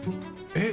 えっ？